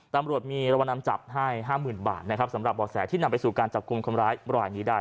ตำรวจมีรางวัลนำจับให้๕๐๐๐บาทนะครับสำหรับบ่อแสที่นำไปสู่การจับกลุ่มคนร้ายรายนี้ได้